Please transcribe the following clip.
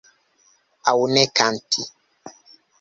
Aŭ ne kanti.